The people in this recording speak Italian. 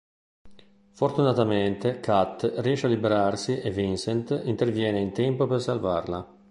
Fortunatamente Cat riesce a liberarsi e Vincent interviene in tempo per salvarla.